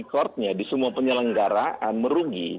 recordnya di semua penyelenggaraan merugi